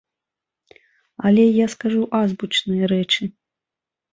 Але я скажу азбучныя рэчы.